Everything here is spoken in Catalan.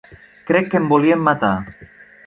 Crec que em volien matar.